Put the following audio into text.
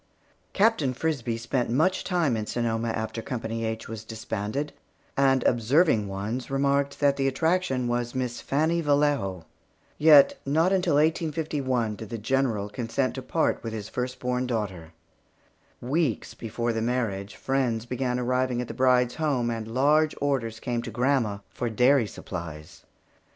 Captain Frisbie spent much time in Sonoma after Company H was disbanded, and observing ones remarked that the attraction was Miss Fannie Vallejo. Yet, not until 1851 did the General consent to part with his first born daughter. Weeks before the marriage day, friends began arriving at the bride's home, and large orders came to grandma for dairy supplies.